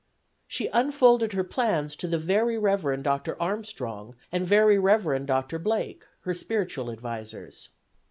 She unfolded her plans to the Very Rev. Dr. Armstrong and Very Rev. Dr. Blake, her spiritual advisers.